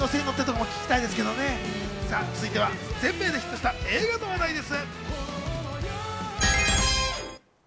続いては全米でヒットした映画の話題です。